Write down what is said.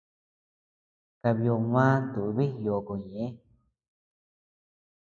Kabiodma tubi yoko ñeʼe.